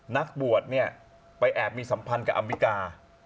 นักบวชไปแอบมีสัมพันธ์กับอัมพิการ